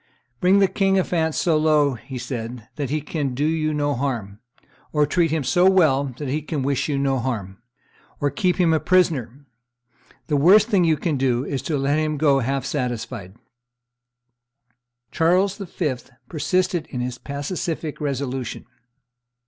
"Bring the King of France so low," he said, "that he can do you no harm, or treat him so well that he can wish you no harm, or keep him a prisoner: the worst thing you can do is to let him go half satisfied." Charles V. persisted in his pacific resolution.